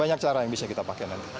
banyak cara yang bisa kita pakai nanti